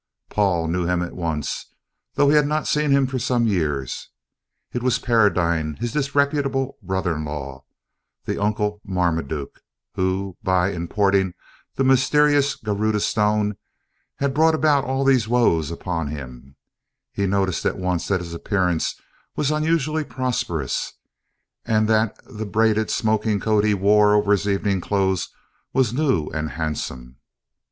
Paul knew him at once, though he had not seen him for some years; it was Paradine, his disreputable brother in law the "Uncle Marmaduke" who, by importing the mysterious Garudâ Stone, had brought all these woes upon him; he noticed at once that his appearance was unusually prosperous, and that the braided smoking coat he wore over his evening clothes was new and handsome.